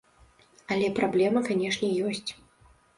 Але праблема, канешне, ёсць.